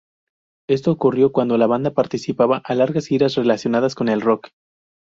Esto ocurrió cuando la banda participaba de largas giras relacionadas con el rock.